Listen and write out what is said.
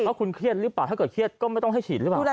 แล้วคุณเครียดหรือเปล่าถ้าเกิดเครียดก็ไม่ต้องให้ฉีดหรือเปล่า